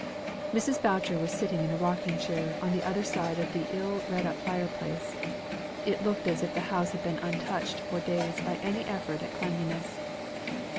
Mrs. Boucher was sitting in a rocking chair, on the other side of the ill redd up fireplace; it looked as if the house had been untouched for days by any effort at cleanliness.